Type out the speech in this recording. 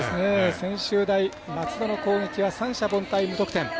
専修大松戸の攻撃は三者凡退、無得点。